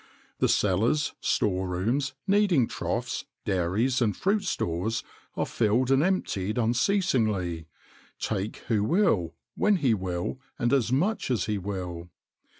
"The cellars, store rooms, kneading troughs, dairies, and fruit stores, are filled and emptied unceasingly take who will, when he will, and as much as he will.